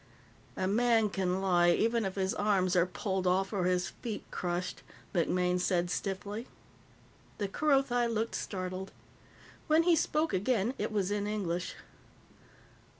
"A man can lie, even if his arms are pulled off or his feet crushed," MacMaine said stiffly. The Kerothi looked startled. When he spoke again, it was in English.